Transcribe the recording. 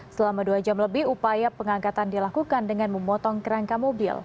selama dua jam lebih upaya pengangkatan dilakukan dengan memotong kerangka mobil